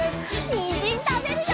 にんじんたべるよ！